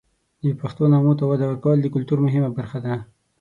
د پښتو نغمو ته وده ورکول د کلتور مهمه برخه ده.